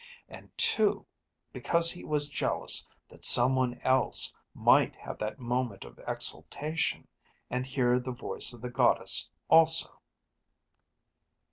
And two, because he was jealous that someone else might have that moment of exaltation and hear the voice of The Goddess also."